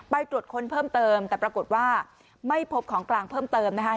ตรวจค้นเพิ่มเติมแต่ปรากฏว่าไม่พบของกลางเพิ่มเติมนะคะ